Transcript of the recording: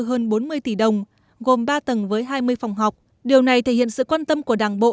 hơn bốn mươi tỷ đồng gồm ba tầng với hai mươi phòng học điều này thể hiện sự quan tâm của đảng bộ